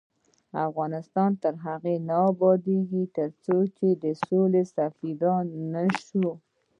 افغانستان تر هغو نه ابادیږي، ترڅو د سولې سفیران نشو.